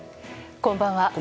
こんばんは。